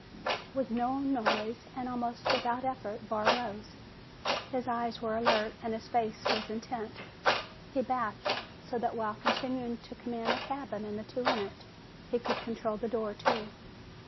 With no noise, and almost without effort, Barr rose. His eyes were alert and his face was intent. He backed, so that while continuing to command the cabin and the two in it, he could control the door, too.